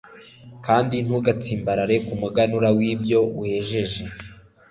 kandi ntugatsimbarare ku muganura w'ibyo wejeje